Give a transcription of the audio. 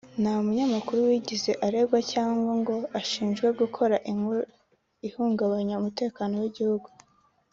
nta munyamakuru wigeze aregwa cyangwa ngo ashinjwe gukora inkuru ihungabanya umutekano w’igihugu